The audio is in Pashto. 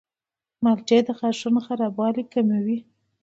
مالټې د غاښونو خرابوالی کموي.